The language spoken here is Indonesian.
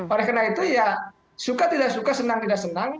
oleh karena itu ya suka tidak suka senang tidak senang